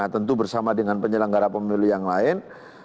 tentu bersama dengan penyelenggara pemilu yang lain